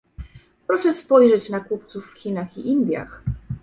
Proszę spojrzeć na kupców w Chinach i w Indiach